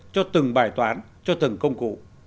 cho từng bài toán cho từng công cụ